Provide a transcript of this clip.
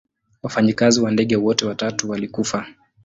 Wafanyikazi wa ndege wote watatu walikufa.